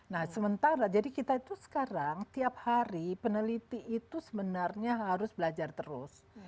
nah sementara jadi kita itu sekarang tiap hari peneliti itu sebenarnya harus belajar terus